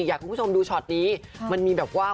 อยากให้คุณผู้ชมดูช็อตนี้มันมีแบบว่า